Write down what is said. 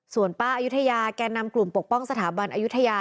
ส่วนป้าอายุทยาแก่นำกลุ่มปกป้องสถาบันอายุทยา